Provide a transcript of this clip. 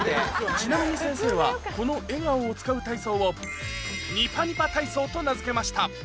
ちなみに先生はこの笑顔を使う体操をと名付けました